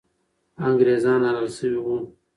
انګریزان حلال سوي وو.